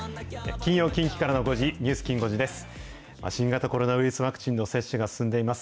金曜、近畿からの５時、ニュースきん５時です。